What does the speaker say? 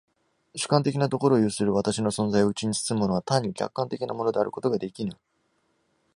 主観的なところを有する私の存在をうちに包むものは単に客観的なものであることができぬ。